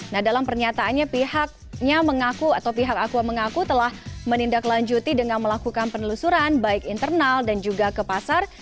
nah dalam pernyataannya pihaknya mengaku atau pihak aqua mengaku telah menindaklanjuti dengan melakukan penelusuran baik internal dan juga ke pasar